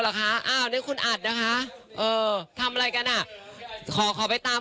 เหรอคะอ้าวนี่คุณอัดนะคะเออทำอะไรกันอ่ะขอขอไปตาม